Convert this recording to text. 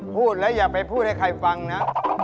พูดแล้วอย่าไปพูดให้ใครฟังนะ